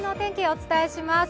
お伝えします。